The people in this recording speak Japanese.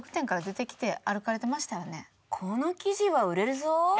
この記事は売れるぞぉ？